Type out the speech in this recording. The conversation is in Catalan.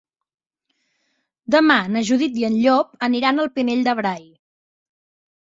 Demà na Judit i en Llop aniran al Pinell de Brai.